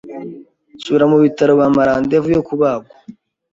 nsubira mu bitaro bampa rendez vous yo kubagwa,